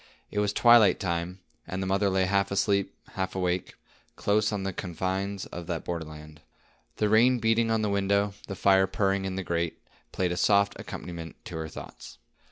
It was twilight time, and the mother lay half asleep, half awake, close on the confines of that border land. The rain beating on the window, the fire purring in the grate, played a soft accompaniment to her thoughts.